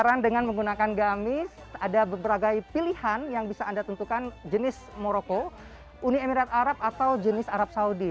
penasaran dengan menggunakan gamis ada berbagai pilihan yang bisa anda tentukan jenis moroko uni emirat arab atau jenis arab saudi